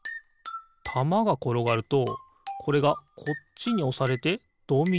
たまがころがるとこれがこっちにおされてドミノがたおれる。